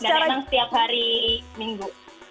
dan memang setiap hari minggu